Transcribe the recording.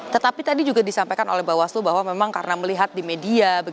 tetapi tadi juga disampaikan oleh bawaslu bahwa memang karena melihat di media